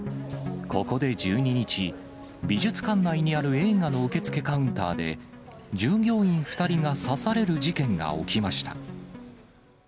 ここで１２日、美術館内にある映画の受付カウンターで、従業員２人が刺される事件が起きました。